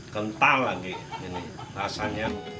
kental lagi rasanya